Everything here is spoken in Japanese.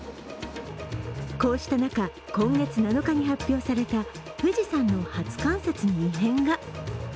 こうした中、今月７日に発表された富士山の初冠雪に異変が。